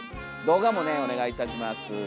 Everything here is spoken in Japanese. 動画もねお願いいたします。